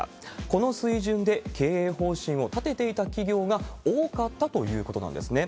この水準で経営方針を立てていた企業が多かったということなんですね。